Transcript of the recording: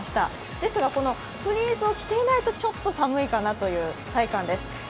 ですが、このフリースを着ていないとちょっと寒いかなという体感です。